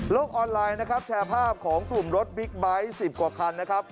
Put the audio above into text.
ออนไลน์นะครับแชร์ภาพของกลุ่มรถบิ๊กไบท์๑๐กว่าคันนะครับ